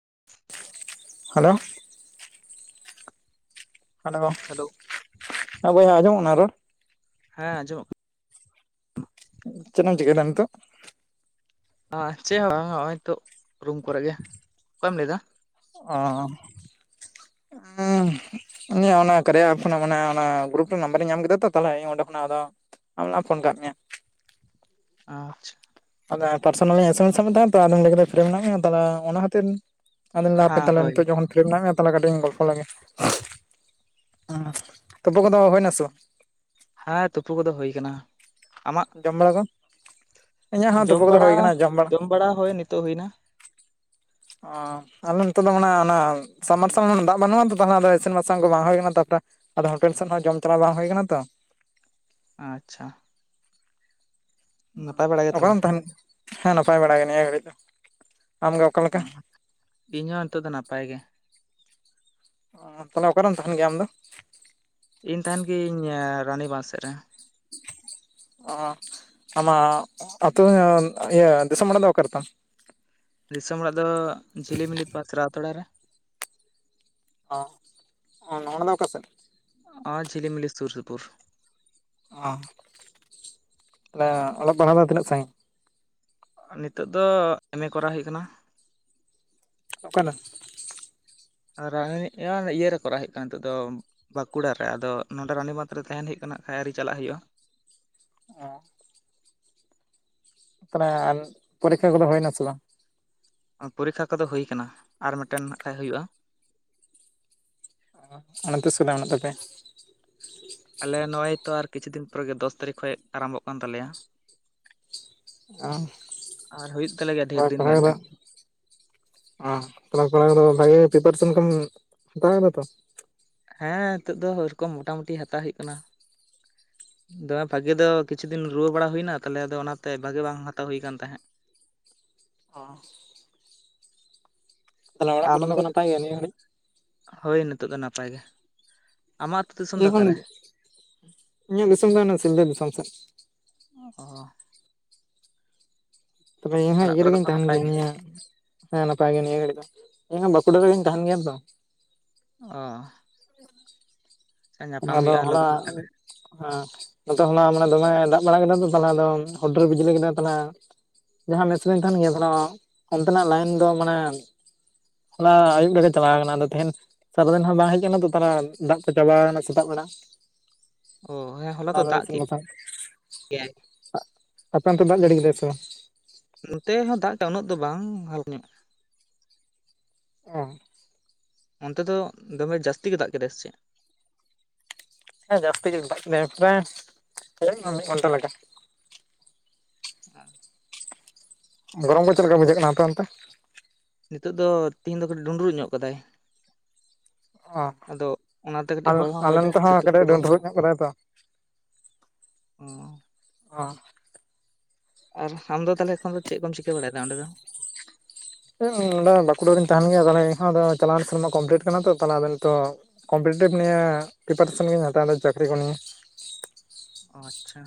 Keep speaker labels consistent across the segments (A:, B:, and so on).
A: [inaudible]
B: Hello hello ᱦᱮ ᱟ ᱵᱚᱭᱦᱟ ᱟᱡᱚᱢᱚᱜ ᱠᱟᱱᱟ ᱨᱚᱲ
A: ᱦᱮᱸ ᱟᱸᱡᱚᱢᱚᱜ ᱠᱟᱱᱟ
B: ᱪᱮᱫ ᱮᱢ ᱪᱤᱠᱟᱹᱭᱮᱫᱟ ᱱᱤᱛᱚᱜ
A: ᱪᱮᱫ ᱦᱚᱸ ᱵᱟᱝ ᱦᱚᱜᱼᱚᱭ ᱱᱤᱛᱚᱜ ᱨᱩᱢ ᱠᱚᱨᱮ ᱜᱮ ᱚᱠᱚᱭ ᱮᱢ ᱞᱟᱹᱭ ᱮᱫᱟ
B: ᱚ ᱤᱧᱟᱹᱜ ᱚᱱᱟ ᱠᱟᱨᱭᱟ ᱮᱯ ᱠᱷᱚᱱ ᱢᱟᱱᱮ ᱚᱱᱟ ᱜᱨᱩᱯ ᱨᱮ ᱱᱟᱢᱵᱟᱨ ᱤᱧ ᱧᱟᱢ ᱠᱮᱫᱟ ᱛᱚ ᱛᱟᱦᱞᱮ ᱤᱧ ᱚᱸᱰᱮ ᱠᱷᱚᱱᱟᱜ ᱟᱫᱚ ᱟᱢ ᱞᱟᱝ ᱯᱷᱳᱱ ᱠᱟᱫ ᱢᱮᱭᱟ
A: ᱟᱪ
B: ᱟᱫᱚ ᱯᱟᱨᱥᱚᱱᱟᱞᱤ ᱤᱧ ᱮᱥᱮᱢᱮᱥᱫ ᱢᱮ ᱛᱟᱦᱮᱸᱫ ᱛᱚ ᱟᱫᱚᱧ ᱞᱟᱹᱭ ᱠᱮᱫᱟ ᱯᱷᱨᱤ ᱢᱮᱱᱟᱜ ᱢᱮᱭᱟ ᱛᱟᱦᱚᱞᱮ ᱚᱱᱟ ᱠᱷᱟᱹᱛᱤᱨ ᱟᱫᱚᱧ ᱞᱟᱹᱭᱮᱫᱟ ᱦᱟᱯᱮ
A: ᱦᱮᱸ
B: ᱛᱟᱦᱚᱞᱮ
A: ᱦᱳᱭ
B: ᱱᱤᱛᱚᱜ ᱡᱚᱠᱷᱚᱱ ᱯᱷᱨᱤ ᱢᱮᱱᱟᱜ ᱢᱮᱭᱟ ᱛᱟᱦᱚᱞᱮ ᱠᱟᱹᱴᱤᱡ ᱤᱧ ᱜᱚᱞᱯᱚ ᱞᱮᱜᱮ ᱦᱮ ᱛᱩᱯᱩ ᱠᱚᱫᱚ ᱦᱳᱭ ᱱᱟ ᱥᱮ ᱵᱟ
A: ᱦᱮᱸ ᱛᱩᱯᱩ ᱠᱚᱫᱚ ᱦᱩᱭ ᱠᱟᱱᱟ
B: ᱡᱚᱢ ᱵᱟᱲᱟ ᱠᱚ ᱤᱧᱟᱹᱜ ᱦᱚᱸ ᱛᱩᱯᱩ
A: ᱡᱚᱢ
B: ᱠᱚᱫᱚ
A: ᱵᱟᱲᱟ
B: ᱦᱩᱭ ᱠᱟᱱᱟ
A: ᱡᱚᱢ ᱵᱟᱲᱟ ᱦᱳᱭ ᱱᱤᱛᱚᱜ ᱦᱩᱭᱱᱟ
B: ᱚ ᱟᱞᱮ ᱱᱤᱛᱳᱜ ᱫᱚ ᱢᱟᱱᱮ ᱚᱱᱟ ᱥᱟᱢ ᱢᱟᱨᱥᱟᱞ ᱫᱟᱜ ᱵᱟᱹᱱᱩᱜᱼᱟ ᱛᱚ ᱛᱟᱦᱚᱞᱮ ᱟᱫᱚ ᱤᱥᱤᱱ ᱵᱟᱥᱟᱝ ᱠᱚ ᱵᱟᱝ ᱦᱩᱭ ᱠᱟᱱᱟ ᱛᱟᱨᱯᱚᱨ ᱟᱫᱚ ᱦᱳᱴᱮᱞ ᱥᱮᱫ ᱦᱚᱸ ᱡᱚᱢ ᱪᱟᱞᱟᱣ ᱵᱟᱝ ᱦᱳᱭ ᱠᱟᱱᱟ ᱛᱚ
A: ᱟᱪᱪᱷᱟ ᱱᱟᱯᱟᱭ ᱵᱟᱲᱟ ᱜᱮ ᱛᱟᱦᱚᱞᱮ
B: ᱚᱠᱟᱨᱮᱢ ᱛᱟᱦᱮᱱ ᱦᱮᱸ ᱱᱟᱯᱟᱭ ᱵᱟᱲᱟ ᱜᱮ ᱱᱤᱭᱟᱹ ᱜᱷᱟᱹᱲᱤᱡ ᱫᱚ ᱟᱢᱜᱮ
A: ᱚ
B: ᱚᱠᱟᱞᱮᱠᱟ
A: ᱤᱧ ᱦᱚᱸ ᱱᱤᱛᱚᱜ ᱫᱚ ᱱᱟᱯᱟᱭ ᱜᱮ
B: ᱚ ᱛᱟᱦᱚᱞᱮ ᱚᱠᱟᱨᱮᱢ ᱛᱟᱦᱮᱱ ᱜᱮᱭᱟ ᱟᱢᱫᱚ
A: ᱤᱧ ᱛᱟᱦᱮᱱ ᱜᱤᱭᱟᱹᱧ ᱨᱟᱱᱤᱵᱟᱫ ᱥᱮᱫ ᱨᱮ
B: ᱚ ᱟᱢᱟᱜ ᱟᱹᱛᱩ ᱤᱭᱟᱹ ᱫᱤᱥᱚᱢ ᱚᱲᱟᱜ ᱫᱚ ᱚᱠᱟ ᱨᱮᱛᱟᱢ
A: ᱫᱤᱥᱚᱢ ᱚᱲᱟᱜ ᱫᱚ ᱡᱷᱤᱞᱤᱢᱤᱞᱤ ᱯᱟᱥ ᱨᱟᱣᱛᱚᱲᱟ ᱨᱮ
B: ᱚ ᱱᱚᱣᱟ ᱫᱚ ᱚᱠᱟ ᱥᱮᱫ
A: ᱟᱻ ᱡᱤᱞᱤ ᱢᱤᱞᱤ ᱥᱩᱨ ᱥᱩᱯᱩᱨ
B: ᱚ ᱛᱟᱞᱮ ᱚᱞᱚᱜ ᱯᱟᱲᱦᱟᱣ ᱫᱚ ᱛᱤᱱᱟᱹᱜ ᱥᱟᱺᱜᱤᱧ
A: ᱱᱤᱛᱚᱜ ᱫᱚ ᱮᱢ ᱮ ᱠᱚᱨᱟᱣ ᱦᱩᱭᱩᱜ ᱠᱟᱱᱟ
B: ᱚᱠᱟᱨᱮ
A: ᱨᱟᱱᱤ ᱤᱭᱟᱹᱨᱮ ᱠᱚᱨᱟᱣ ᱦᱩᱭᱩᱜ ᱠᱟᱱᱟ ᱱᱤᱛᱚᱜ ᱫᱚ ᱵᱟᱸᱠᱩᱲᱟ ᱨᱮ ᱟᱫᱚ ᱱᱚᱰᱮ ᱨᱟᱱᱤ ᱵᱟᱸᱫᱷ ᱨᱮ ᱛᱟᱦᱮᱱ ᱦᱩᱭᱩᱜ ᱠᱟᱱᱟ ᱱᱟᱜ ᱠᱷᱟᱭ ᱟᱣᱨᱤ ᱪᱟᱞᱟᱜ ᱦᱩᱭᱩᱜᱼᱟ
B: ᱚ ᱛᱟᱞᱮ ᱯᱚᱨᱤ‌ᱠᱠᱷᱟ ᱠᱚᱫᱚ ᱦᱩᱭ ᱱᱟᱥᱮ ᱵᱟᱝ
A: ᱯᱚᱨᱤᱠᱠᱷᱟ ᱠᱚᱫᱚ ᱦᱩᱭ ᱠᱟᱱᱟ ᱟᱨ ᱢᱤᱫᱴᱮᱱ ᱱᱟᱜ ᱠᱷᱟᱭ ᱦᱩᱭᱩᱜᱼᱟ
B: ᱚᱱᱟ ᱛᱤᱥ ᱠᱚᱛᱮ ᱢᱮᱱᱟᱜ ᱛᱟᱯᱮᱭᱟ
A: ᱟᱞᱮ ᱱᱚᱜᱼᱚᱭ ᱛᱚ ᱟᱨ ᱠᱤᱪᱷᱩ ᱫᱤᱱ ᱯᱚᱨᱮ ᱜᱮ ᱫᱚᱥ ᱛᱟᱨᱤᱠᱷ ᱠᱷᱚᱡ ᱟᱨᱟᱢᱵᱷᱚᱜ ᱠᱟᱱ ᱛᱟᱞᱮᱭᱟ ᱟᱨ ᱦᱩᱭᱩᱜ ᱛᱟᱞᱮ ᱜᱮᱭᱟ
B: ᱚ
A: ᱰᱷᱮᱨ ᱫᱤᱱ ᱜᱮ
B: ᱯᱟᱲᱦᱟᱣ
A: ᱦᱟᱸᱜ
B: ᱠᱚᱫᱚ
A: ᱠᱷᱟᱡ
B: ᱚᱯᱟᱲᱦᱟᱣ ᱠᱚᱫᱚ ᱵᱷᱟᱜᱮ ᱯᱤᱯᱟᱨᱥᱮᱱ ᱠᱚᱢ ᱦᱟᱛᱟᱣ ᱠᱟᱫᱟ ᱛᱚ
A: ᱦᱮᱸ ᱱᱤᱛᱳ ᱫᱚ ᱳᱭᱨᱚᱠᱚᱢ ᱢᱴᱟᱢᱩᱴᱤ ᱦᱟᱛᱟᱣ ᱦᱩᱭᱩᱜ ᱠᱟᱱᱟ ᱫᱚᱢᱮ ᱵᱷᱟᱜᱤ ᱫᱚ ᱠᱤᱪᱷᱩ ᱫᱤᱱ ᱨᱩᱣᱟᱹ ᱵᱟᱲᱟ ᱦᱩᱭᱱᱟ ᱛᱟᱦᱚᱞᱮ ᱟᱫᱚ ᱚᱱᱟᱛᱮ ᱵᱷᱟᱜᱤ ᱵᱟᱝ ᱦᱟᱛᱟᱣ ᱦᱩᱭ ᱠᱟᱱ ᱛᱟᱦᱮᱸᱫ
B: ᱚ ᱛᱟᱦᱚᱞᱮ ᱚᱲᱟᱜ ᱠᱚᱨᱮ
A: ᱟᱢ
B: ᱫᱚᱠᱚ
A: ᱫᱚ
B: ᱱᱟᱯᱟᱭ ᱜᱮᱭᱟ ᱱᱤᱭᱟᱹ ᱜᱷᱟᱹᱲᱤᱡ
A: ᱦᱳᱭ ᱱᱤᱛᱚᱜ ᱫᱚ ᱱᱟᱯᱟᱭ ᱜᱮ ᱟᱢᱟᱜ ᱟᱹᱛᱩ ᱫᱤᱥᱚᱢ ᱫᱚ ᱚᱠᱟᱨᱮ
B: [unintelligible] ᱤᱧᱟᱹᱜ ᱫᱤᱥᱚᱢ ᱫᱚ ᱚᱱᱟ ᱥᱤᱞᱫᱟᱹ ᱫᱤᱥᱚᱢ ᱥᱮᱫ
A: ᱚ
B: ᱛᱚᱵᱮ ᱤᱧ ᱦᱚᱸ
A: ᱚᱲᱟᱜ
B: ᱤᱭᱟᱹ
A: ᱠᱚᱨᱮ
B: ᱨᱮᱜᱤᱧ
A: ᱫᱚᱠᱚ
B: ᱛᱟᱦᱮᱱ
A: ᱱᱟᱯᱟᱭ
B: ᱜᱮᱭᱟ ᱱᱤᱭᱟᱹ ᱦᱮᱸ ᱱᱟᱯᱟᱭ ᱜᱮ ᱱᱤᱭᱟᱹ ᱜᱷᱟᱹᱲᱤᱡ ᱫᱚ ᱤᱧ ᱦᱚᱸ ᱵᱟᱸᱠᱩᱲᱟ ᱨᱮᱜᱤᱧ ᱛᱟᱦᱮᱱ ᱜᱮᱭᱟ ᱛᱚ
A: ᱚ ᱟᱪᱪᱷᱟ ᱧᱟᱯᱟᱢ
B: ᱟᱫᱚ
A: ᱦᱩᱭᱩᱜᱼᱟ
B: ᱦᱚᱞᱟ
A: ᱞᱚᱜᱚᱱ ᱜᱮ ᱛᱟᱦᱚᱞᱮ
B: ᱦᱮᱸ ᱱᱚᱛᱮ ᱦᱚᱞᱟ ᱢᱟᱱᱮ ᱫᱚᱢᱮ ᱫᱟᱜ ᱵᱟᱲᱟ ᱠᱮᱫᱟ ᱛᱚ ᱛᱟᱦᱮ ᱟᱫᱚ ᱦᱩᱰᱩᱨ ᱵᱤᱡᱽᱞᱤ ᱠᱮᱫᱟ ᱛᱟᱦᱚᱞᱮ ᱡᱟᱦᱟᱸ ᱢᱮᱥᱨᱤᱧ ᱛᱟᱦᱮᱱ ᱜᱮᱭᱟ ᱛᱟᱦᱚᱞᱮ ᱚᱱᱛᱮᱱᱟᱜ ᱞᱟᱭᱤᱱ ᱫᱚ ᱢᱟᱱᱮ ᱦᱚᱞᱟ ᱟᱹᱭᱩᱵ ᱨᱮᱜᱮ ᱪᱟᱞᱟᱣ ᱠᱟᱱᱟ ᱟᱫᱚ ᱛᱮᱦᱮᱧ ᱥᱟᱨᱟᱫᱤᱱ ᱦᱚᱸ ᱵᱟᱝ ᱦᱮᱡ ᱟᱠᱟᱱᱟ ᱛᱚ ᱛᱟᱦᱞᱮ ᱫᱟᱜ ᱠᱚ ᱪᱟᱵᱟᱣ ᱠᱟᱱᱟ ᱥᱮ ᱥᱮᱛᱟᱜ ᱵᱮᱲᱟ
A: ᱚ ᱦᱮᱸ ᱦᱚᱞᱟ ᱫᱚ
B: ᱟᱫᱚ
A: ᱫᱟᱜ
B: ᱤᱥᱤᱱ
A: ᱠᱮᱫ
B: ᱵᱟᱥᱟᱝ
A: ᱜᱮᱭᱟᱭ
B: ᱟᱯᱮ ᱚᱱᱛᱮ ᱫᱟᱜ ᱡᱟᱹᱲᱤ ᱠᱮᱫᱟᱭ ᱥᱮ ᱵᱟᱝ
A: ᱱᱚᱛᱮ ᱦᱚᱸ ᱫᱟᱜ ᱠᱮᱫᱟ ᱩᱱᱟᱹᱜ ᱫᱚ ᱵᱟᱝ ᱦᱟᱞᱠᱟ ᱧᱚᱜ
B: ᱚ
A: ᱚᱱᱛᱮ ᱫᱚ ᱫᱚᱢᱮ ᱡᱟᱹᱥᱛᱤ ᱜᱮ ᱫᱟᱜ ᱠᱮᱫᱟᱭ ᱥᱮ ᱪᱮᱫ
B: ᱦᱮᱸ ᱡᱟᱹᱥᱛᱤ ᱜᱮ ᱫᱟᱜ ᱠᱮᱫᱟᱭ ᱯᱨᱟᱭ ᱢᱤᱫ ᱜᱷᱚᱱᱴᱟ ᱞᱮᱠᱟ
A: ᱵᱟᱝ
B: ᱜᱚᱨᱚᱢ ᱠᱚ ᱪᱮᱫ ᱞᱮᱠᱟ ᱵᱩᱡᱷᱟᱹᱜ ᱠᱟᱱᱟ ᱟᱯᱮ ᱚᱱᱛᱮ?
A: ᱱᱤᱛᱚᱜ ᱫᱚ ᱛᱮᱤᱦᱤᱧ ᱫᱚ ᱠᱟᱹᱴᱤᱡ ᱰᱩᱸᱰᱨᱩᱩᱜ ᱧᱚᱜ ᱠᱟᱫᱟᱭ᱾
B: ᱚ
A: ᱟᱫᱚ ᱚᱱᱟᱛᱮ ᱠᱟᱹᱴᱤᱡ ᱦᱚᱭ ᱦᱚᱸ
B: ᱟᱞᱮ
A: ᱦᱚᱭᱫᱟ
B: ᱱᱚᱛᱮ
A: ᱟᱨ
B: ᱦᱚᱸ
A: ᱥᱤᱛᱩᱝ ᱫᱚ
B: ᱠᱟᱹᱴᱤᱡ
A: ᱵᱟᱹᱱᱩᱜᱼᱟ
B: ᱰᱩᱸᱰᱨᱩᱩᱜ ᱧᱚᱜ ᱠᱟᱫᱟᱭ ᱛᱚ᱾
A: ᱚ
B: ᱚ
A: ᱟᱨ ᱟᱢᱫᱚ ᱛᱟᱦᱞᱮ ᱮᱠᱷᱚᱱ ᱫᱚ ᱪᱮᱫ ᱠᱚᱢ ᱪᱤᱠᱟᱹ ᱵᱟᱲᱟᱭ ᱫᱟ ᱚᱸᱰᱮ ᱫᱚ?
B: ᱱᱚᱰᱮ ᱵᱟᱸᱠᱩᱲᱟᱤᱧ ᱛᱟᱦᱮᱱ ᱜᱮᱭᱟ ᱛᱟᱦᱞᱮ ᱤᱧ ᱦᱚᱸ ᱟᱫᱚ ᱪᱟᱞᱟᱣ ᱮᱱ ᱥᱮᱨᱢᱟ ᱠᱚᱢᱯᱞᱤᱴ ᱠᱟᱱᱟ ᱛᱚ ᱛᱟᱦᱞᱮ ᱟᱫᱚ ᱱᱤᱛᱚᱜ ᱠᱚᱢᱯᱞᱤᱴ [unintelligible] ᱱᱤᱭᱟᱹ ᱯᱨᱤᱯᱟᱨᱮᱥᱚᱱ ᱜᱤᱧ ᱦᱟᱛᱟᱣᱫᱟ ᱪᱟᱹᱠᱨᱤ ᱠᱚ ᱱᱤᱭᱮ
A: ᱚ ᱟᱪᱪᱷᱟ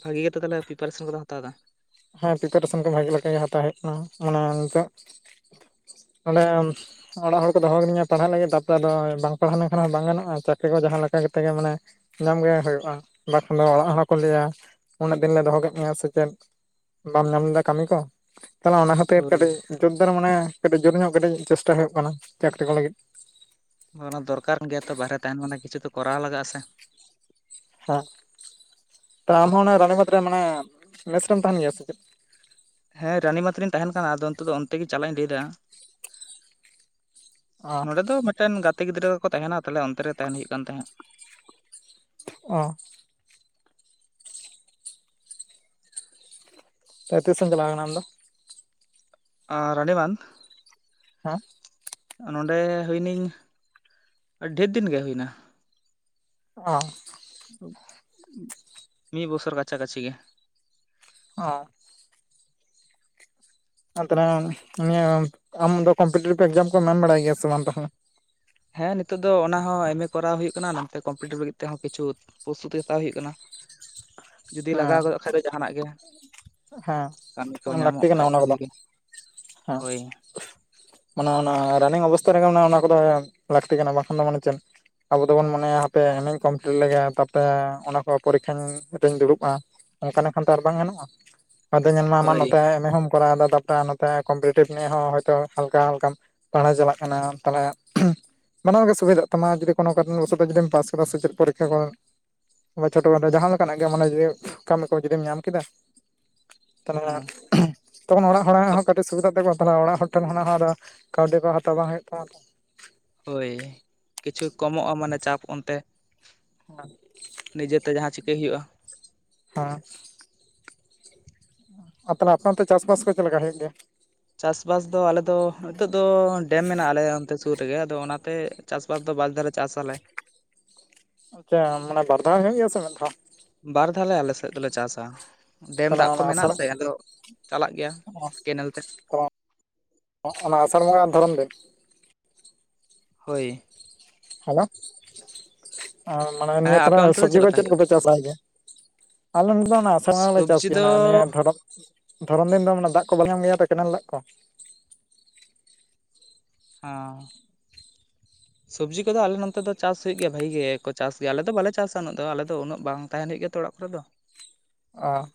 A: ᱵᱷᱟᱜᱤ ᱜᱮᱛᱚ ᱛᱟᱦᱚᱞᱮ ᱯᱨᱤᱯᱟᱨᱮᱥᱚᱱ ᱠᱚᱫᱚ ᱦᱟᱛᱟᱣ ᱮᱫᱟ?
B: ᱦᱮᱸ ᱯᱨᱤᱯᱟᱨᱮᱥᱚᱱ ᱠᱚ ᱵᱷᱟᱜᱮ ᱞᱮᱠᱟᱜᱮ ᱦᱟᱛᱟᱣ ᱦᱩᱭᱩᱜ ᱠᱟᱱᱟ ᱢᱟᱱᱮ ᱱᱤᱛᱚᱜ ᱚᱸᱰᱮ ᱚᱲᱟᱜ ᱦᱚᱲ ᱠᱚ ᱫᱚᱦᱚ ᱠᱟᱹᱤᱫᱤᱧᱟ ᱯᱟᱲᱦᱟᱜ ᱞᱟᱹᱜᱤᱫ ᱛᱟᱨᱯᱚᱨᱮ ᱟᱫᱚ ᱵᱟᱝ ᱯᱟᱲᱦᱟᱣ ᱞᱮᱱᱠᱷᱟᱱ ᱦᱚᱸ ᱵᱟᱝ ᱜᱟᱱᱚᱜᱼᱟ ᱪᱟᱹᱠᱨᱤ ᱠᱚ ᱡᱟᱦᱟᱸ ᱡᱟᱦᱟᱸ ᱞᱮᱠᱟ ᱠᱟᱛᱮ ᱜᱮ ᱢᱟᱱᱮ ᱧᱟᱢ ᱜᱮ ᱦᱩᱭᱩᱜᱼᱟ ᱵᱟᱠᱷᱟᱱ ᱫᱚ ᱚᱲᱟᱜ ᱦᱚᱲ ᱠᱚ ᱞᱟᱹᱭᱟ ᱩᱱᱟᱹᱜ ᱫᱤᱱ ᱞᱮ ᱫᱚᱦᱚ ᱠᱮᱫ ᱢᱮᱭᱟ ᱥᱮᱪᱮᱫ ᱵᱟᱢ ᱧᱟᱢ ᱞᱮᱫᱟ ᱠᱟᱹᱢᱤ ᱠᱚ ᱛᱟᱦᱚᱞᱮ ᱚᱱᱟ ᱠᱷᱟᱹᱛᱤᱨ
A: ᱦᱳᱭ
B: ᱠᱟᱹᱴᱤᱡ ᱡᱳᱨᱫᱟᱨ ᱢᱟᱱᱮ ᱠᱟᱹᱴᱤᱡ ᱡᱳᱨ ᱧᱚᱜ ᱠᱟᱹᱴᱤᱡ ᱪᱮᱥᱴᱟ ᱦᱳᱭᱳᱜ ᱠᱟᱱᱟ ᱪᱟᱹᱠᱨᱤ ᱠᱚ ᱞᱟᱹᱜᱤᱫ
A: ᱚ ᱱᱟ ᱫᱚᱨᱠᱟᱨ ᱜᱤᱭᱟ ᱛᱚ ᱵᱟᱦᱨᱮ ᱛᱟᱦᱮᱱ ᱢᱟᱱᱮ ᱠᱤᱪᱷᱩ ᱛᱚ ᱠᱚᱨᱟᱣ ᱞᱟᱜᱟᱜ ᱟᱥᱮ
B: ᱦᱟ ᱛᱟᱦᱞᱮ ᱟᱢᱦᱚᱸ ᱚᱱᱟ ᱨᱟᱱᱤ ᱵᱟᱫᱽ ᱨᱮ ᱢᱟᱱᱮ ᱢᱮᱥ ᱨᱮᱢ ᱛᱟᱦᱮᱱ ᱜᱤᱭᱟ ᱥᱮ ᱪᱮᱫ?
A: ᱦᱮᱸ ᱨᱟᱱᱤ ᱢᱟᱛ ᱨᱤᱧ ᱛᱟᱦᱮᱱ ᱠᱟᱱᱟ ᱟᱫᱚ ᱤᱛᱚᱜ ᱫᱚ ᱚᱱᱛᱮ ᱜᱮ ᱪᱟᱞᱟᱜ ᱤᱧ ᱞᱟᱹᱭᱫᱟ᱾
B: ᱚ
A: ᱱᱚᱸᱰᱮ ᱫᱚ ᱢᱤᱜᱴᱮᱱ ᱜᱟᱛᱮ ᱜᱤᱫᱽᱨᱟᱹ ᱠᱚᱠᱚ ᱛᱟᱦᱮᱱᱟ ᱛᱟᱦᱞᱮ ᱚᱱᱛᱮ ᱨᱮ ᱛᱟᱦᱮᱱ ᱦᱳᱭᱳᱜ ᱠᱟᱱ ᱛᱟᱦᱮᱸᱜ
B: ᱚ ᱛᱚ ᱛᱤᱥ ᱮᱢ ᱪᱟᱞᱟᱣ ᱠᱟᱱᱟ ᱟᱢᱫᱚ?
A: ᱚ ᱨᱟᱱᱤ ᱵᱟᱱ?
B: ᱦᱮᱸ
A: ᱱᱚᱰᱮ ᱦᱩᱭᱱᱟᱹᱧ ᱰᱷᱮᱨ ᱫᱤᱱᱜᱮ ᱦᱳᱭᱱᱟ᱾
B: ᱚ
A: ᱢᱤᱫ ᱵᱚᱥᱚᱨ ᱠᱟᱪᱷᱟ ᱠᱟᱹᱪᱷᱤ ᱜᱮ᱾
B: ᱚ ᱟᱱᱛᱟᱱᱟᱝ ᱱᱤᱭᱟᱹ ᱟᱢ ᱫᱚ ᱠᱚᱢᱯᱤᱴᱤᱴᱤᱵᱷ ᱮᱠᱡᱟᱢ ᱠᱚᱢ ᱮᱢ ᱵᱟᱲᱟᱭ ᱜᱮᱭᱟ ᱥᱮ ᱵᱟᱝ ᱛᱟᱦᱟᱞᱮ?
A: ᱦᱮᱸ ᱱᱤᱛᱚᱜ ᱫᱚ ᱚᱱᱟ ᱦᱚᱸ ᱮᱢ ᱮ ᱠᱚᱨᱟᱣ ᱦᱳᱭᱳᱜ ᱠᱟᱱᱟ ᱱᱚᱛᱮ ᱠᱚᱢᱯᱤᱴᱤᱵᱷ ᱞᱟᱹᱜᱤᱫ ᱛᱮᱦᱚᱸ ᱠᱤᱪᱷᱩ ᱯᱚᱥᱛᱩᱛᱤ ᱦᱟᱛᱟᱣ ᱦᱳᱭᱳᱜ ᱠᱟᱱᱟ᱾
B: [inaudible]
A: ᱡᱩᱫᱤ ᱞᱟᱜᱟᱣ ᱜᱚᱫᱚᱜ ᱠᱷᱟᱡ ᱫᱚ ᱡᱟᱦᱟᱱᱟᱜ ᱜᱮ
B: ᱦᱮᱸ
A: ᱠᱟᱹᱢᱤ ᱠᱚ
B: ᱦᱮᱸ ᱞᱟᱹᱠᱛᱤ
A: ᱧᱟᱢᱚᱜ ᱠᱷᱟᱡ
B: ᱠᱟᱱᱟ ᱚᱱᱟ
A: ᱵᱷᱟᱜᱤ
B: ᱠᱚᱫᱚ
A: ᱜᱮ᱾
B: ᱦᱮᱸ
A: ᱦᱳᱭ
B: ᱢᱟᱱᱮ ᱚᱱᱟ ᱨᱟᱱᱤᱝ ᱚᱵᱚᱥᱛᱷᱟ ᱨᱮᱜᱮ ᱚᱱᱟ ᱚᱱᱟ ᱠᱚᱫᱚ ᱞᱟᱹᱠᱛᱤ ᱠᱟᱱᱟ ᱵᱟᱠᱷᱟᱱ ᱫᱚ ᱢᱟᱱᱮ ᱪᱮᱫ ᱟᱵᱚ ᱫᱚᱵᱚᱱ ᱢᱚᱱᱮᱭᱟ ᱦᱟᱯᱮ ᱮᱢᱮᱧ ᱠᱚᱢᱯᱞᱤᱴ ᱞᱮᱜᱮ ᱛᱟᱯᱛᱮ ᱚᱱᱟ ᱠᱚ ᱯᱚᱨᱤᱠᱠᱷᱟᱧ ᱛᱮᱧ ᱫᱩᱲᱩᱵ ᱟ ᱚᱱᱠᱟᱞᱮᱠᱷᱟᱱ ᱫᱚ ᱟᱨ ᱵᱟᱝ ᱜᱟᱱᱚᱜᱼᱟ ᱟᱫᱚ ᱧᱮᱞ
A: ᱦᱳᱭ
B: ᱱᱚᱛᱮ ᱮᱢᱮ ᱦᱚᱢ ᱠᱚᱨᱟᱣ ᱫᱟ ᱛᱟᱯᱛᱮ ᱱᱚᱛᱮ ᱠᱚᱢᱯᱤᱴᱤᱴᱤᱵᱷ ᱱᱤᱭᱮ ᱦᱚ ᱦᱚᱭᱛᱳ ᱦᱟᱞᱠᱟ ᱦᱟᱞᱠᱟᱢ ᱯᱟᱲᱦᱟᱣ ᱪᱟᱞᱟᱜ ᱠᱟᱱᱟᱢ ᱛᱟᱦᱮᱞᱮ ᱵᱟᱱᱟᱨ ᱜᱮ ᱥᱩᱵᱤᱫᱷ ᱛᱟᱢᱟ ᱡᱩᱫᱤ ᱠᱳᱱᱚ ᱠᱟᱨᱚᱱ ᱵᱚᱥᱚᱛ ᱡᱩᱫᱤᱢ ᱯᱟᱥ ᱥᱮᱪᱮᱫ ᱯᱤᱠᱠᱷᱟ ᱠᱚ ᱵᱟ ᱪᱷᱳᱴᱳ ᱠᱷᱟᱴᱚ ᱡᱟᱦᱟᱸ ᱞᱮᱠᱟᱱᱟᱜ ᱜᱮ ᱢᱚᱱᱮ ᱡᱤᱣᱤ ᱠᱟᱹᱢᱤ ᱠᱚ ᱡᱩᱫᱤᱢ ᱧᱟᱢ ᱠᱮᱫᱟ
A: ᱦᱩᱸ
B: ᱛᱟᱦᱚᱞᱮ ᱩᱦᱩ ᱛᱚᱠᱷᱚᱱ ᱚᱲᱟᱜ ᱦᱚᱲᱟᱜ ᱦᱚᱸ ᱠᱟᱹᱴᱤᱡ ᱥᱩᱵᱤᱫᱟᱜ ᱛᱮᱠᱚᱣᱟ ᱛᱟᱞᱮᱼᱟᱲᱟᱜ ᱴᱷᱮᱱ ᱠᱷᱚᱱᱟᱜ ᱦᱚᱸ ᱟᱫᱚ ᱠᱟᱹᱣᱰᱤ ᱠᱚ ᱦᱟᱛᱟᱣ ᱵᱟᱝ ᱦᱳᱭᱳᱜ ᱛᱟᱢᱟ ᱛᱚ
A: ᱦᱳᱭ ᱠᱤᱪᱷᱩ ᱠᱚᱢᱚᱜᱼᱟ ᱢᱟᱱᱮ ᱪᱟᱯ ᱚᱱᱛᱮ
B: [inaudible]
A: ᱱᱤᱡᱮᱛᱮ ᱡᱟᱦᱟᱸ ᱪᱤᱠᱟᱹᱭ ᱦᱳᱭᱳᱜᱼᱟ᱾
B: ᱦᱮᱸ ᱟᱨ ᱛᱟᱦᱚᱞᱮ ᱟᱯᱮ ᱚᱱᱛᱮ ᱪᱟᱥᱵᱟᱥ ᱠᱚ ᱪᱮᱫ ᱞᱮᱠᱟ ᱦᱳᱭᱳᱜ ᱜᱮᱭᱟ?
A: ᱪᱟᱥᱵᱟᱥ ᱫᱚ ᱟᱞᱮᱫ ᱫᱚ ᱦᱤᱛᱚᱜ ᱫᱚ ᱰᱮᱢ ᱢᱮᱱᱟᱜ ᱟᱞᱮ ᱚᱱᱛᱮ ᱛᱩᱨ ᱨᱮᱜᱮ ᱟᱫᱚ ᱚᱱᱟᱛᱮ ᱪᱟᱥᱵᱟᱥ ᱫᱚ ᱵᱟᱨ ᱫᱷᱟᱞᱮ ᱪᱟᱥ ᱟᱞᱮ᱾
B: ᱟᱪᱪᱷᱟ ᱢᱟᱱᱮ ᱵᱟᱨ ᱫᱷᱟᱣ ᱦᱳᱭᱳᱜ ᱜᱮᱭᱟ ᱥᱮ ᱢᱤᱫ ᱫᱷᱟᱣ
A: ᱛᱮᱫ ᱫᱚᱞᱮ ᱪᱟᱥᱟ ᱰᱮᱢ
B: ᱛᱟᱦᱚᱞᱮ
A: ᱫᱟᱜ ᱠᱚ
B: ᱚᱱᱟ
A: ᱢᱮᱱᱟᱜ
B: ᱟᱥᱟᱲ
A: ᱟᱥᱮ ᱟᱫᱚ ᱪᱟᱞᱟᱜ ᱜᱮᱭᱟ ᱠᱮᱱᱮᱞ ᱛᱮ
B: ᱚᱱᱟ ᱟᱥᱟᱲ ᱵᱚᱸᱜᱟ ᱫᱷᱚᱨᱚᱢ ᱨᱮ
A: ᱦᱳᱭ
B: ᱦᱮᱞᱳ ᱢᱟᱱᱮ
A: ᱦᱮᱸ
B: ᱱᱤᱭᱟᱹ
A: ᱟᱯᱮ ᱚᱱᱛᱮ
B: ᱛᱟᱦᱚᱞᱮ
A: ᱫᱚ
B: ᱥᱚᱵᱽᱡᱤ ᱠᱚ
A: ᱞᱮᱠᱟ
B: ᱪᱮᱫ
A: ᱦᱩᱭᱩᱜᱼᱟ
B: ᱠᱚᱯᱮ ᱪᱟᱥ ᱟᱜ ᱟᱞᱚᱢ ᱚᱱᱟᱥ ᱞᱮ ᱪᱟᱥ
A: ᱥᱚᱵᱡᱤ ᱫᱚ
B: ᱜᱮᱭᱟ ᱱᱤᱭᱟᱹ ᱫᱷᱚᱢ ᱫᱷᱚᱨᱚᱢ ᱫᱤᱱ ᱫᱚ ᱢᱟᱱ ᱫᱟᱜ ᱠᱚᱞ ᱧᱟᱢ ᱜᱮᱭᱟ ᱠᱮᱱᱮᱞ ᱫᱟᱜ ᱠᱚ
A: ᱚᱧ
B: [inaudible]
A: ᱥᱚᱵᱽᱡᱤ ᱠᱚᱫᱚ ᱟᱞᱮ ᱱᱚᱱᱛᱮ ᱫᱚ ᱪᱟᱥ ᱦᱳᱭᱳᱜ ᱜᱮᱭᱟ ᱵᱷᱟᱜᱮ ᱜᱮ ᱠᱚ ᱪᱟᱥ ᱜᱮᱭᱟ ᱟᱞᱮ ᱫᱚ ᱵᱟᱞᱮ ᱪᱟᱥᱟ ᱩᱱᱟᱹᱜ ᱫᱚ ᱟᱞᱮ ᱫᱚ ᱩᱱᱟᱹᱜ ᱵᱟᱝ ᱛᱟᱦᱮᱱ ᱦᱳᱭᱳᱜ ᱜᱤᱭᱟ ᱛᱚᱲ ᱚᱲᱟᱜ ᱠᱚᱨᱮ ᱫᱚ
B: ᱚ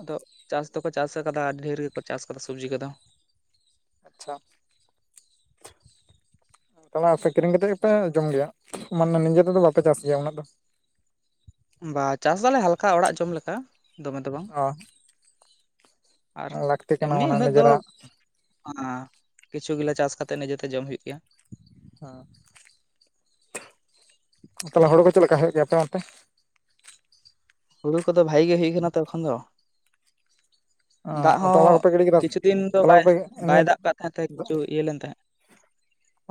A: ᱟᱫᱚ ᱪᱟᱥ ᱫᱚᱠᱚ ᱪᱟᱥ ᱟᱠᱟᱫᱟ ᱟᱹᱰᱤ ᱰᱷᱮᱨ ᱜᱮᱠᱚ ᱪᱟᱥ ᱠᱟᱫᱟ ᱥᱚᱵᱽᱡᱤ ᱠᱚᱫᱚ
B: ᱟᱪᱷᱟ ᱪᱟᱞᱟᱜ ᱟ ᱥᱮ ᱠᱤᱨᱤᱧ ᱠᱟᱛᱮᱫ ᱜᱮᱯᱮ ᱡᱚᱢ ᱜᱮᱭᱟ ᱢᱟᱱᱮ ᱱᱤᱡᱮ ᱛᱮᱫᱚ ᱵᱟᱯᱮ ᱪᱟᱥ ᱜᱮᱭᱟ ᱩᱱᱟᱹᱜ ᱫᱚ
A: ᱵᱟ ᱪᱟᱥ ᱫᱟᱞᱮ ᱦᱟᱞᱠᱟ ᱚᱲᱟᱜ ᱡᱚᱢ ᱞᱮᱠᱟ ᱫᱚᱢᱮ ᱫᱚ ᱵᱟᱝ ᱟᱨ
B: ᱚ ᱞᱟᱹᱠᱛᱤ ᱠᱟᱱᱟ
A: ᱮᱢᱱᱤ
B: ᱢᱟᱱᱮ
A: ᱩᱱᱟᱹᱜ ᱫᱚ ᱟᱣ
B: ᱱᱤᱡᱮᱨᱟᱜ
A: ᱠᱤᱡ ᱠᱤᱪᱷᱩ ᱜᱤᱞᱟ ᱪᱟᱥ ᱠᱟᱛᱮᱜ ᱡᱚᱛᱚ ᱡᱚᱢ ᱦᱩᱭᱩᱜ ᱜᱮᱭᱟ
B: ᱦᱮᱸ ᱛᱟᱦᱞᱮ ᱦᱚᱲ ᱠᱚ ᱪᱮᱫ ᱞᱮᱠᱟ ᱦᱩᱭᱩᱜ ᱜᱮᱭᱟ ᱟᱯᱮ ᱚᱱᱛᱮ?
A: ᱦᱩᱲᱩ ᱠᱚᱫᱚ ᱵᱷᱟᱜᱤ ᱜᱮ ᱦᱩᱭ ᱠᱟᱱᱟ ᱛᱚᱠᱷᱚᱱ ᱫᱚ ᱫᱟᱜ
B: ᱚ
A: ᱦᱚᱸ
B: ᱛᱚᱞᱟ ᱠᱚᱯᱮ ᱜᱤᱰᱤ ᱠᱮᱫᱟ ᱥᱮ?
A: ᱠᱤᱪᱷᱩ ᱫᱤᱱ ᱫᱚ
B: ᱛᱚᱞᱟ
A: ᱵᱟᱜ
B: ᱠᱚᱯᱮ
A: ᱵᱟᱭ
B: ᱱᱤᱭᱟᱹ
A: ᱫᱟᱜ ᱠᱟᱜ ᱛᱟᱦᱮᱸ ᱠᱤᱪᱷᱩ ᱤᱭᱟᱹ ᱞᱮᱱ ᱛᱟᱦᱮᱸᱜ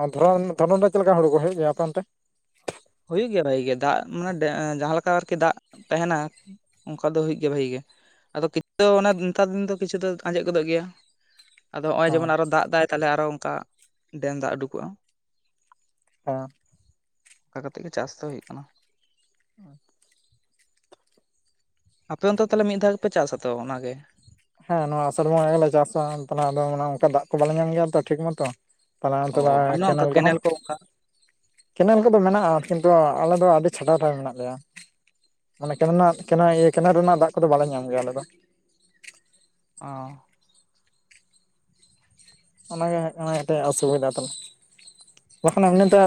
B: ᱟᱨ ᱫᱷᱚᱨᱚᱱ ᱫᱷᱚᱨᱚᱱ ᱨᱮ ᱪᱮᱫ ᱞᱮᱠᱟ ᱦᱩᱲᱩ ᱠᱚ ᱦᱮᱲᱮᱡ ᱜᱮᱭᱟ ᱟᱯᱮ ᱚᱱᱛᱮ?
A: ᱦᱩᱭᱩᱜ ᱜᱮᱭᱟ ᱵᱷᱟᱜᱤ ᱜᱮ ᱫᱟᱜ ᱢᱟᱱᱮ ᱡᱟᱦᱟᱸᱮ ᱞᱮᱠᱟ ᱟᱨᱠᱤ ᱫᱟᱜ ᱛᱟᱦᱮᱱᱟ ᱚᱱᱠᱟ ᱫᱚ ᱦᱩᱭᱩᱜ ᱜᱮᱭᱟ ᱵᱷᱟᱜᱤ ᱜᱮ ᱟᱫᱚ ᱠᱤᱪᱷᱩ ᱫᱚ ᱱᱮᱛᱟᱨ ᱫᱤᱱ ᱫᱚ ᱠᱤᱪᱷᱩ ᱫᱚ ᱟᱸᱡᱮᱫ ᱜᱚᱫᱚᱜ ᱜᱮᱭᱟ ᱟᱫᱚ ᱱᱚᱜᱼᱚᱭ
B: ᱦᱮᱸ
A: ᱡᱮᱢᱚᱱ ᱟᱨᱚ ᱫᱟᱜ ᱮᱟᱭ ᱛᱟᱦᱮ ᱟᱨᱚ ᱚᱱᱠᱟ ᱰᱮᱢ ᱫᱟᱜ ᱩᱰᱩᱠᱚᱜᱼᱟ
B: ᱦᱮᱸ
A: ᱚᱱᱠᱟ ᱠᱟᱛᱮᱜ ᱜᱮ ᱪᱟᱥ ᱫᱚ ᱦᱩᱭᱩᱜ ᱠᱟᱱᱟ
B: [unintelligible] ᱟᱨ
A: ᱟᱯᱮ ᱚᱱᱛᱚ ᱛᱟᱦᱚᱞᱮ ᱢᱤᱫ ᱫᱷᱟᱣ ᱜᱮᱯᱮ ᱪᱟᱥᱟ ᱛᱚ ᱚᱱᱟ ᱜᱮ
B: ᱦᱮᱸ ᱱᱚᱣᱟ ᱟᱥᱟᱲ ᱵᱚᱸᱜᱟ ᱜᱮᱞᱮ ᱪᱟᱥᱟ ᱛᱟᱦᱚᱞᱮ ᱟᱫᱚᱮ ᱚᱱᱠᱟ ᱫᱟᱜ ᱠᱚ ᱵᱟᱞᱮ ᱧᱟᱢ ᱜᱮᱭᱟ ᱛᱚ ᱴᱷᱤᱠ ᱢᱚᱛᱚ ᱛᱟᱦᱞᱮ
A: ᱚ
B: ᱚᱱᱛᱮ ᱫᱚ
A: ᱵᱟᱹᱱᱩᱜᱼᱟ ᱚᱱᱠᱟ
B: ᱠᱮᱱᱮᱞ ᱠᱚᱦᱚᱸ
A: ᱠᱚ ᱚᱱᱠᱟ
B: ᱠᱮᱱᱮᱞ ᱠᱚᱫᱚ ᱢᱮᱱᱟᱜᱼᱟ ᱠᱤᱱᱛᱩ ᱟᱞᱮ ᱫᱚ ᱟᱹᱰᱤ ᱪᱷᱟᱰᱟᱣ ᱨᱮ ᱢᱮᱱᱟᱜ ᱞᱮᱭᱟ ᱢᱟᱱᱮ ᱠᱮᱱᱮᱞ ᱨᱮᱱᱟᱜ ᱠᱮᱱᱮᱞ ᱨᱮᱱᱟᱜ ᱫᱟᱜ ᱠᱚᱫᱚ ᱵᱟᱞᱮ ᱧᱟᱢ ᱜᱮᱭᱟ ᱟᱞᱮ ᱫᱚ
A: ᱚ
B: ᱚᱱᱟ ᱜᱮ ᱠᱟᱱᱟ ᱢᱤᱫ ᱴᱟᱜ ᱚᱥᱩᱵᱤᱫᱷᱟ ᱫᱚ ᱵᱟᱠᱷᱟᱱ ᱮᱢᱟᱱ ᱛᱮ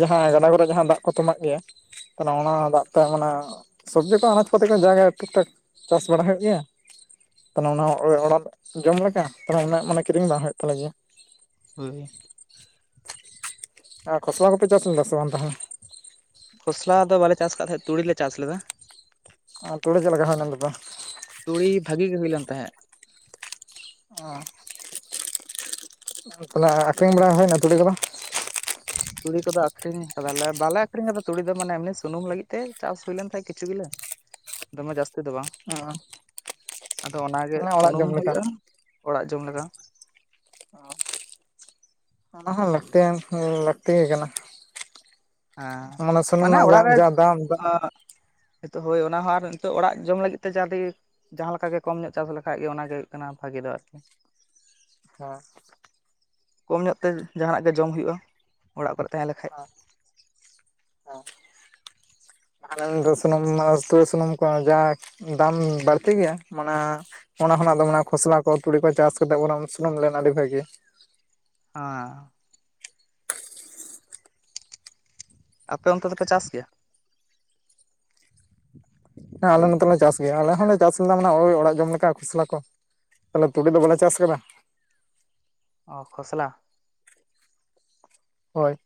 B: ᱡᱟᱦᱟᱸ ᱜᱟᱰᱟ ᱠᱚᱨᱮ ᱡᱟᱦᱟᱸ ᱫᱟᱜ ᱠᱚ ᱛᱟᱢᱟᱜ ᱜᱮᱭᱟ ᱛᱟᱦᱚᱞᱮ ᱚᱱᱟ ᱫᱟᱜ ᱛᱮ ᱢᱟᱱᱮ ᱥᱚᱵᱽᱡᱤ ᱠᱚ ᱟᱱᱟᱡᱯᱟᱹᱛᱤ ᱠᱚ ᱡᱟᱭᱜᱟ ᱴᱩᱠ ᱴᱟᱠ ᱪᱟᱥ ᱵᱟᱲᱟ ᱦᱩᱭᱩᱜ ᱜᱮᱭᱟ ᱛᱟᱦᱚᱞᱮ ᱚᱱᱟ ᱚᱲᱟᱜ ᱡᱚᱢ ᱞᱮᱠᱟ ᱛᱟᱦᱮ ᱚᱱᱟ ᱢᱟᱱᱮ ᱠᱤᱨᱤᱧ ᱵᱟᱝ ᱦᱩᱭᱩᱜ ᱛᱟᱞᱮ ᱜᱮᱭᱟ
A: ᱦᱳᱭ
B: [inaudible] ᱟᱨ ᱠᱷᱚᱥᱞᱟ ᱠᱚᱯᱮ ᱪᱟᱥ ᱞᱮᱫᱟ ᱥᱮ ᱵᱟᱝ ᱛᱟᱦᱮᱱᱟ?
A: ᱠᱷᱚᱥᱞᱟ ᱫᱚ ᱵᱟᱞᱮ ᱪᱟᱥ ᱟᱠᱟᱫ ᱛᱟᱦᱮᱸᱫ ᱛᱩᱲᱤ ᱞᱮ ᱪᱟᱥ ᱞᱮᱫᱟ
B: ᱟᱨ ᱛᱩᱲᱤ ᱪᱮᱫ ᱞᱮᱠᱟ ᱦᱩᱭᱞᱮᱱ ᱛᱟᱯᱮᱭᱟ
A: ᱛᱩᱲᱤ ᱵᱷᱟᱹᱜᱤ ᱜᱮ ᱦᱩᱭ ᱞᱮᱱ ᱛᱟᱦᱮᱸᱫ
B: ᱚᱧ ᱟᱠᱷᱨᱤᱧ ᱵᱟᱲᱟ ᱦᱩᱭᱱᱟ ᱛᱩᱲᱤ ᱠᱚᱫᱚ
A: ᱛᱩᱲᱤ ᱠᱚᱫᱚ ᱟᱹᱷᱨᱤᱧ ᱠᱟᱫᱟᱞᱮ ᱵᱟᱞᱮ ᱟᱹᱷᱨᱤᱧ ᱠᱟᱫᱟ ᱛᱩᱲᱤ ᱫᱚ ᱢᱟᱱᱮ ᱮᱢᱱᱤ ᱥᱩᱱᱩᱢ ᱞᱟᱹᱜᱤᱫ ᱛᱮ ᱪᱟᱥ ᱦᱩᱭ ᱞᱮᱱ ᱛᱟᱦᱮᱸᱫ ᱠᱤᱪᱷᱩ ᱜᱤᱞᱟ ᱫᱚᱢᱮ ᱡᱟᱥ ᱞᱟᱹᱛᱤ ᱫᱚ ᱵᱟᱝ
B: ᱚ
A: ᱟᱫᱚ ᱚᱱᱟ ᱜᱮ
B: ᱢᱟᱱᱮ ᱚᱲᱟᱜ
A: ᱥᱩᱱᱩᱢ
B: ᱡᱚᱢ ᱞᱮᱠᱟ
A: ᱦᱩᱭᱩᱜᱼᱟ ᱚᱲᱟᱜ ᱡᱚᱢ ᱞᱮᱠᱟ
B: ᱚ ᱚᱱᱟ ᱦᱚᱸ ᱞᱟᱹᱠᱛᱤᱭᱟᱱ ᱞᱟᱹᱠᱛᱤ ᱜᱮ ᱠᱟᱱᱟ
A: ᱦᱮᱸ
B: ᱢᱟᱱᱮ ᱥᱩᱱᱩᱢ ᱨᱮᱱᱟᱜᱟ
A: ᱚᱲᱟᱜ ᱨᱮ
B: ᱡᱟ ᱫᱟᱢ
A: ᱦᱳᱭ ᱚᱱᱟ ᱦᱚᱸ ᱟᱨ ᱱᱤᱛᱚᱜ ᱚᱲᱟᱜ ᱡᱚᱢ ᱞᱟᱹᱜᱤᱫ ᱛᱮ ᱡᱟᱫᱤ ᱡᱟᱸᱦᱟ ᱞᱮᱠᱟᱜᱮ ᱠᱚᱢ ᱧᱚᱜ ᱪᱟᱥ ᱞᱮᱠᱷᱟᱡ ᱜᱮ ᱚᱱᱟᱜᱮ ᱦᱩᱭᱩᱜ ᱠᱟᱱᱟ ᱵᱷᱟᱜᱤ ᱫᱚ ᱟᱨᱠᱤ
B: ᱦᱮᱸ
A: ᱠᱚᱢ ᱧᱚᱜ ᱛᱮ ᱡᱟᱦᱟᱱᱟᱜ ᱜᱮ ᱡᱚᱢ ᱦᱩᱭᱩᱜᱼᱟ ᱚᱲᱟᱜ ᱠᱚᱨᱮᱜ ᱛᱟᱦᱮᱸ ᱞᱮᱠᱷᱟᱡ
B: ᱦᱮ ᱥᱩᱱᱩᱢ ᱩᱛᱩ ᱥᱩᱱᱩᱢ ᱠᱚ ᱡᱟ ᱫᱟᱢ ᱵᱟᱹᱲᱛᱤ ᱜᱮᱭᱟ ᱢᱟᱱ ᱚᱱᱟ ᱦᱚᱸ ᱟᱫᱚ ᱠᱷᱚᱥᱞᱟ ᱠᱚ ᱛᱩᱲᱤ ᱠᱚ ᱪᱟᱥ ᱠᱟᱛᱮᱫ ᱵᱚᱨᱚᱝ ᱥᱩᱱᱩᱢ ᱞᱮᱱ ᱟᱹᱰᱤ ᱵᱷᱟᱹᱜᱤᱭᱟ
A: ᱚ ᱟᱯᱮ ᱚᱱᱛᱮ ᱫᱚᱯᱮ ᱪᱟᱥ ᱜᱮᱭᱟ
B: ᱦᱮᱸ ᱟᱞᱮ ᱱᱚᱛᱮ ᱞᱮ ᱪᱟᱥ ᱜᱮᱭᱟ ᱟᱞᱮ ᱦᱚᱸᱞᱮ ᱪᱟᱥᱞᱟ ᱢᱟᱱᱮ ᱳ ᱚᱲᱟᱜ ᱡᱚᱢ ᱞᱮᱠᱟ ᱠᱷᱚᱥᱞᱟ ᱠᱚ ᱛᱟᱦᱞᱮ ᱛᱩᱲᱤ ᱫᱚ ᱵᱟᱞᱮ ᱪᱟᱥ ᱠᱟᱫᱟ
A: ᱚ ᱠᱷᱚᱥᱞᱟ
B: ᱦᱳᱭ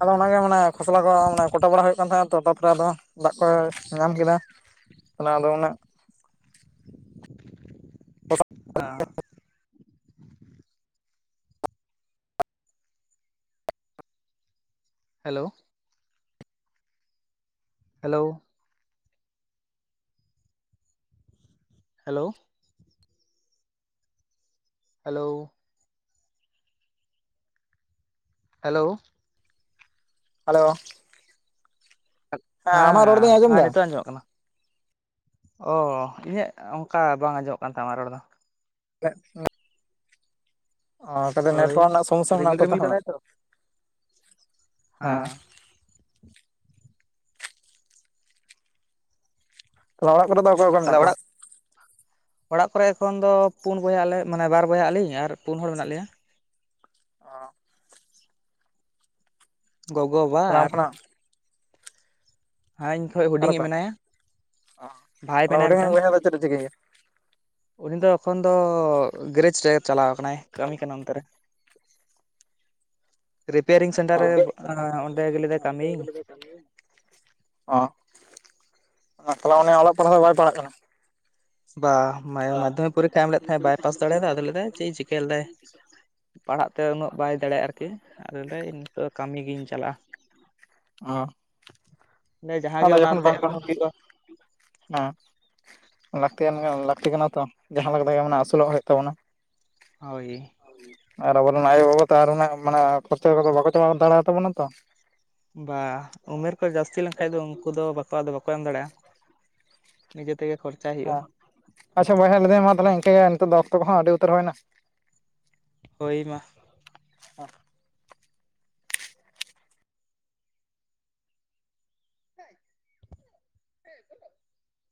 B: ᱟᱫᱚ ᱚᱱᱟᱜᱮ ᱛᱟ ᱛᱟᱨᱯᱚᱨᱮ ᱟᱫᱚ ᱫᱟᱜ ᱠᱚ ᱧᱟᱢ ᱠᱮᱫᱟ ᱛᱟᱦᱮ ᱟᱫᱚ ᱩᱱᱟᱹᱜ
A: ᱦᱮᱸ hello hello hello hello hello
B: hello
A: ᱦᱮᱸ
B: ᱟᱢᱟᱜ ᱨᱚᱲ ᱫᱚᱧ ᱟᱸᱡᱚᱢ
A: ᱦᱮᱸ
B: ᱮᱫᱟ
A: ᱱᱤᱛᱚᱜ ᱟᱸᱡᱚᱢᱚᱜ ᱠᱟᱱᱟ ᱚ ᱤᱧᱟᱹᱜ ᱚᱱᱠᱟ ᱵᱟᱝ ᱟᱸᱡᱚᱢᱚᱜ ᱠᱟᱱ ᱛᱟᱢᱟ ᱨᱚᱲ ᱫᱚ
B: [unintelligible] ᱚ ᱠᱟᱹᱴᱤᱡ
A: ᱦᱳᱭ
B: ᱱᱮᱴᱣᱟᱨᱠ ᱨᱮᱱᱟᱜ ᱥᱚᱢᱚᱥᱥᱟ ᱢᱮᱱᱟᱜ
A: ᱨᱤᱢᱤᱞ ᱨᱤᱢᱤᱞ
B: ᱛᱟᱦᱚᱞᱮ
A: ᱠᱟᱫᱟᱭ ᱛᱚ ᱦᱮᱸ
B: ᱚᱲᱟᱜ ᱠᱚᱨᱮ ᱫᱚ ᱚᱠᱭ ᱚᱠᱭ ᱢᱮᱱᱟᱜ
A: ᱛᱟᱦᱚᱞᱮ ᱚᱲᱟᱜ
B: ᱠᱚᱣᱟ
A: ᱚᱲᱟᱜ ᱠᱚᱨᱮ ᱮᱠᱷᱚᱱ ᱫᱚ ᱯᱩᱱ ᱵᱚᱭᱟᱜ ᱟᱞᱮ ᱢᱟᱱᱮ ᱵᱟᱨ ᱵᱚᱭᱟᱜ ᱟᱞᱤᱧ ᱟᱨ ᱯᱩᱱ ᱦᱚᱲ ᱢᱮᱱᱟᱜ ᱞᱮᱭᱟ
B: ᱚ
A: ᱜᱚᱜᱚᱵᱟ
B: ᱛᱟᱦᱞᱮ ᱟᱢ
A: ᱟᱨ
B: ᱠᱷᱚᱱᱟᱜ
A: ᱦᱮᱸ ᱤᱧ ᱠᱷᱚᱱᱚᱡ
B: ᱟᱨ
A: ᱦᱩᱰᱤᱧᱤᱡ
B: ᱚᱠᱟ
A: ᱢᱮᱱᱟᱭᱟ ᱵᱷᱟᱭ
B: ᱛᱟᱦᱚᱞᱮ
A: ᱢᱮᱱᱟᱭᱟ
B: ᱦᱩᱰᱤᱧᱤᱡ
A: ᱢᱤᱫᱴᱮᱱ
B: ᱵᱚᱭᱦᱟ ᱫᱚ ᱪᱮᱫ ᱮ ᱪᱤᱠᱟᱹᱭ ᱜᱮᱭᱟ?
A: ᱩᱱᱤ ᱫᱚ ᱮᱠᱷᱚᱱ ᱫᱚ ᱜᱮᱨᱮᱡᱽ ᱨᱮ ᱪᱟᱞᱟᱣ ᱠᱟᱱᱟᱭ ᱠᱟᱹᱢᱤ ᱠᱟᱱᱟ ᱚᱱᱛᱮ ᱨᱮ ᱨᱤᱯᱮᱭᱟᱨᱤᱝ
B: [unintelligible]
A: ᱥᱮᱱᱴᱟᱨ
B: ᱚ
A: ᱨᱮ ᱚᱸᱰᱮ ᱜᱮ ᱞᱮᱫᱟᱭ ᱠᱟᱹᱢᱤ
B: ᱛᱟᱦᱚᱞᱮ ᱚᱞᱚᱜ ᱯᱟᱲᱦᱟᱜ ᱫᱚ ᱵᱟᱭ ᱯᱟᱲᱦᱟᱜ ᱠᱟᱱᱟ
A: ᱵᱟ ᱢᱟᱫᱽᱫᱷᱚᱢᱤᱠ ᱯᱚᱨᱤᱠᱷᱟᱭ ᱮᱢ ᱞᱮᱫ ᱛᱟᱦᱮᱸᱫ ᱵᱟᱭ ᱯᱟᱥ ᱫᱟᱲᱮᱭᱟᱫᱟ ᱟᱫᱚ ᱞᱮᱫᱟᱭ ᱪᱮᱫ ᱪᱤᱠᱟᱹᱭᱟ ᱞᱮᱫᱟᱭ ᱯᱟᱲᱦᱟᱜ ᱛᱮ ᱩᱱᱟᱹᱜ ᱵᱟᱭ ᱫᱟᱲᱮᱭᱟᱜᱼᱟ ᱟᱨᱠᱤ ᱟᱫᱚ ᱞᱮᱭ ᱫᱟ ᱠᱟᱹᱢᱤ ᱜᱤᱧ ᱪᱟᱞᱟᱜᱼᱟ ᱡᱟᱦᱟᱸ ᱜᱮ
B: ᱟᱫᱚ ᱡᱚᱠᱷᱚᱱ
A: ᱚᱱᱟᱛᱮ
B: ᱵᱟᱝ ᱠᱚ
A: ᱨᱮᱦᱚᱸ ᱦᱩᱭᱩᱜᱼᱟ
B: ᱞᱟᱹᱠᱛᱤᱭ ᱞᱟᱹᱠᱛᱤ ᱠᱟᱱᱟ ᱛᱚ ᱡᱟᱦᱟᱸ ᱞᱮᱠᱟ ᱛᱮᱜᱮ ᱟᱹᱥᱩᱞᱚᱜ ᱦᱩᱭᱩᱜ ᱛᱟᱵᱚᱱᱟ
A: ᱦᱳᱭ
B: ᱟᱨ ᱟᱵᱚᱨᱮᱱ ᱟᱭᱳᱼᱵᱟᱵᱟ ᱛᱚ ᱢᱟᱱᱮ ᱠᱷᱚᱨᱪᱟ ᱵᱟᱠᱚ ᱪᱟᱞᱟᱣ ᱫᱟᱲᱮᱭᱟᱛᱟᱵᱚᱱᱟ ᱛᱚ
A: ᱵᱟ ᱩᱢᱮᱨ ᱠᱚ ᱡᱟᱹᱥᱛᱤ ᱞᱮᱱᱠᱷᱟ ᱫᱚ ᱩᱱᱠᱩ ᱫᱚ ᱵᱟᱠᱚ ᱟᱫᱚ ᱵᱟᱠᱚ ᱮᱢ ᱫᱟᱲᱮᱭᱟᱜᱼᱟ ᱱᱤᱡᱮ ᱛᱮᱜᱮ ᱠᱷᱚᱨᱪᱟᱭ ᱦᱩᱭᱩᱜᱼᱟ
B: ᱦᱮᱸ ᱟᱪᱷᱟ ᱵᱟᱭᱦᱟ ᱛᱟᱦᱞᱮ ᱤᱱᱠᱟᱹᱜᱮ ᱱᱤᱛᱚᱜ ᱫᱚ ᱚᱠᱛᱚ ᱠᱚᱦᱚᱸ ᱟᱹᱰᱤ ᱩᱛᱟᱹᱨ ᱦᱩᱭᱮᱱᱟ
A: ᱦᱳᱭ ᱢᱟ
B: ᱟᱨ
A: [unintelligible]